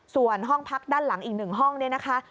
ส่วนห้องพักด้านหลังอีก๑ห้องเนี่ยนะคะ